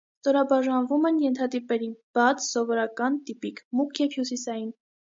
Ստորաբաժանվում են ենթատիպերի՝ բաց, սովորական (տիպիկ), մուգ և հյուսիսային։